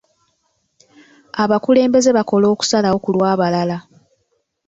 Abakulembeze bakola okusalawo ku lw'abalala.